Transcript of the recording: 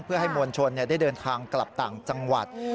เพื่อให้มวลชนได้เดินทางกลับต่างจังหวัด